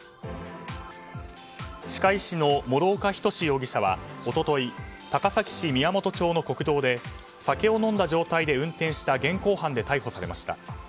歯科医師の諸岡均容疑者は一昨日、高崎市宮元町の国道で酒を飲んだ状態で運転した現行犯で逮捕されました。